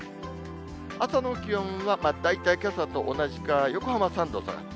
朝の気温は大体けさと同じか、横浜３度下がります。